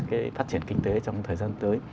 cái phát triển kinh tế trong thời gian tới